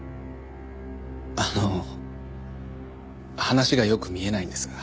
あの話がよく見えないんですが。